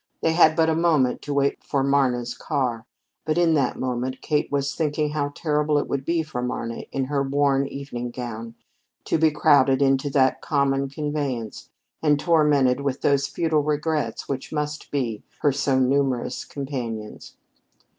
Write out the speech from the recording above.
They had but a moment to wait for Marna's car, but in that moment Kate was thinking how terrible it would be for Marna, in her worn evening gown, to be crowded into that common conveyance and tormented with those futile regrets which must be her so numerous companions.